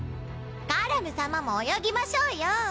カラムさまも泳ぎましょうよ！